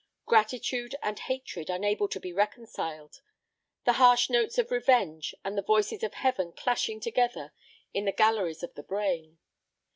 Gratitude and hatred unable to be reconciled; the harsh notes of revenge and the voices of heaven clashing together in the galleries of the brain.